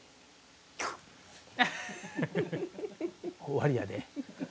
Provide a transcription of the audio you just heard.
終わりやで。